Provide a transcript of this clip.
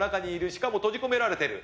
しかも閉じ込められてる。